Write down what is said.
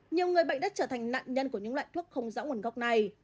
nhiều người bệnh đã trở thành nạn nhân của những loại thuốc không rõ nguồn gốc này